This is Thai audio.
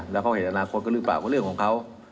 แล้วเขาเห็นอนาคตก็หรือเปล่าก็เรื่องของเขา